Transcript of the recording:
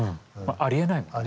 ありえないもんね。